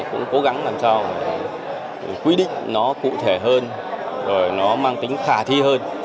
cũng cố gắng làm sao để quy định nó cụ thể hơn rồi nó mang tính khả thi hơn